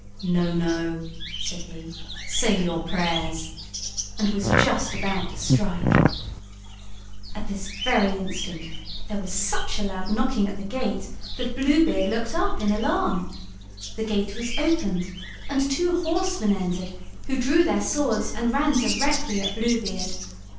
"No, no," said he; "say your prayers," and was just about to strike… At this very instant there was such a loud knocking at the gate that Blue Beard looked up in alarm. The gate was opened and two horsemen entered, who drew their swords and ran directly at Blue Beard.